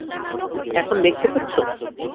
এখন দেখতে পাচ্ছো?